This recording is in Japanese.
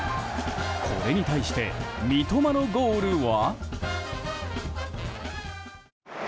これに対して三笘のゴールは。